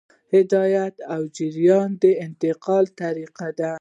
هدایت او جریان د انتقال طریقې دي.